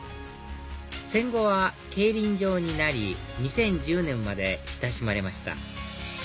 戦後は競輪場になり２０１０年まで親しまれました